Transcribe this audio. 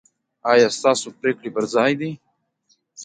ایا ستاسو پریکړې پر ځای دي؟